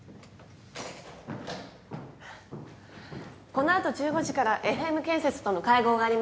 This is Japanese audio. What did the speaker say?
この後１５時からエフエム建設との会合があります。